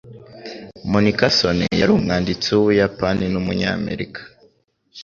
Monica Sone yari umwanditsi w’Ubuyapani n’umunyamerika.